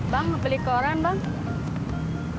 bang beli koran bang